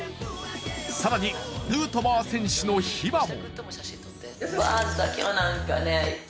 更にヌートバー選手の秘話も。